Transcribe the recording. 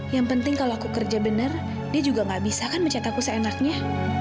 yang penting kalau aku kerja benar dia juga enggak bisa kan mencet aku seenaknya